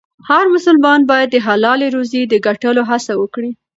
هر مسلمان باید د حلالې روزۍ د ګټلو هڅه وکړي.